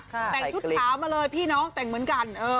แต่งชุดขาวมาเลยพี่น้องแต่งเหมือนกัน